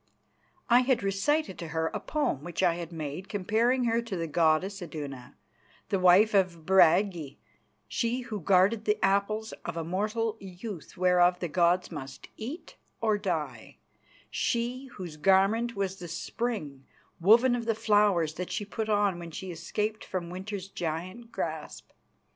I had recited to her a poem which I had made comparing her to the goddess Iduna, the wife of Bragi, she who guarded the apples of immortal youth whereof the gods must eat or die, she whose garment was the spring, woven of the flowers that she put on when she escaped from winter's giant grasp.